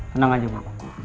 tenang aja bu